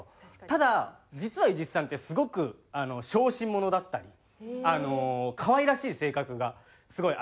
ただ実は伊地知さんってすごく小心者だったりあの可愛らしい性格がすごいありまして。